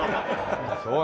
そう。